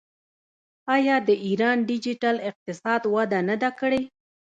آیا د ایران ډیجیټل اقتصاد وده نه ده کړې؟